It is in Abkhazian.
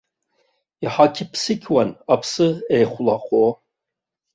Иҳақьԥсықьуан, аԥсы еихәлахо.